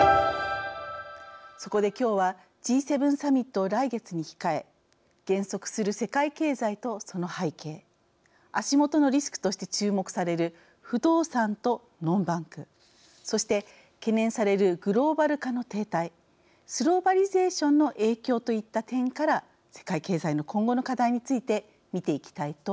そこで今日はＧ７サミットを来月に控え減速する世界経済とその背景足元のリスクとして注目される「不動産」と「ノンバンク」そして懸念されるグローバル化の停滞「スローバリゼーション」の影響といった点から世界経済の今後の課題について見ていきたいと思います。